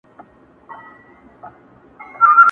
په دې زور سو له لحده پاڅېدلای٫